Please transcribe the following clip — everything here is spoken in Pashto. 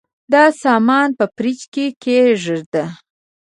دا سامان په فریج کي کښېږده.